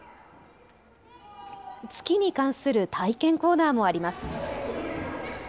月に関する体験コーナーもあります。